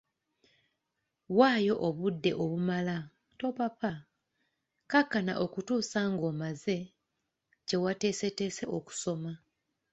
Waayo obudde obumala, topapa, kkakkana okutuusa ng'omazeeko kye wateesetese okusoma.